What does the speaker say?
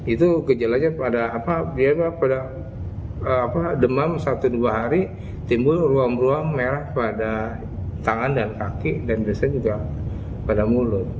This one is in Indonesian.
itu gejalanya pada demam satu dua hari timbul ruam ruam merah pada tangan dan kaki dan biasanya juga pada mulut